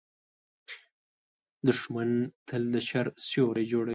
دښمن تل د شر سیوری جوړوي